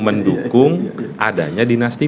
mendukung adanya dinasti